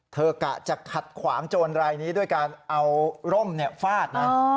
กะจะขัดขวางโจรรายนี้ด้วยการเอาร่มฟาดนะ